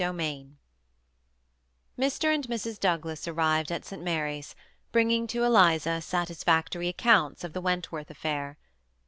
139 CHAPTER XXn, Mr. and Mrs. Douglas arrived at St. Mary's, bring ing to Eliza satisfactory accounts of the Wentworth affair.